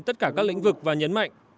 tất cả các lĩnh vực và nhấn mạnh